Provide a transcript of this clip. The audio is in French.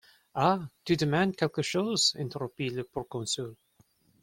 Ah ! tu demandes quelque chose ? interrompit le proconsul.